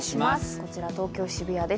こちら東京・渋谷です。